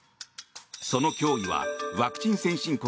その脅威はワクチン先進国